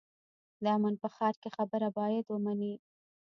د امن په ښار کې خبره باید ومنې.